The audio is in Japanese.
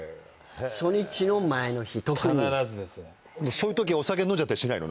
そういう時お酒飲んじゃったりしないの？